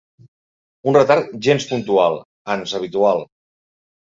Un retard gens puntual, ans habitual.